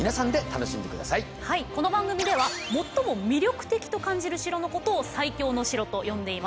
はいこの番組では最も魅力的と感じる城のことを「最強の城」と呼んでいます。